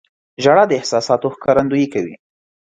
• ژړا د احساساتو ښکارندویي کوي.